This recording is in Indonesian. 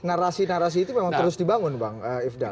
narasi narasi itu memang terus dibangun bang ifdal